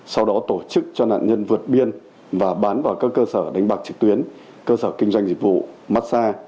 sau đó tổ chức cho nạn nhân vượt biên và bán vào các cơ sở đánh bạc trực tuyến cơ sở kinh doanh dịch vụ massage